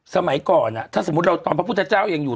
สมัยก่อนถ้าสมมุติเราตอนพระพุทธเจ้ายังอยู่